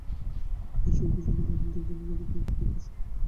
এই শক্তি যত প্রবল থাকবে, এর দ্বারা তত অধিক কাজ সম্পন্ন হতে পারবে।